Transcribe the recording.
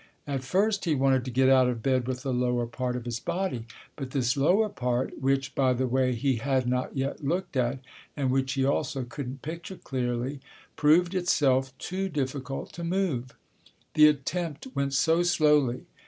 At first he wanted to get out of bed with the lower part of his body, but this lower part—which, by the way, he had not yet looked at and which he also couldn't picture clearly—proved itself too difficult to move. The attempt went so slowly.